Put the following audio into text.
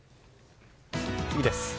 次です。